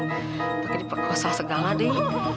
bagaimana diperkosa segala deh